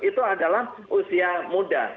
itu adalah usia muda